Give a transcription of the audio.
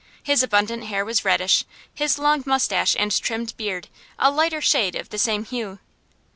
His abundant hair was reddish, his long moustache and trimmed beard a lighter shade of the same hue.